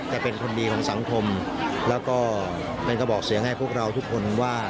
เป็นคนดีของสังคมแล้วก็เป็นกระบอกเสียงให้พวกเราทุกคนว่า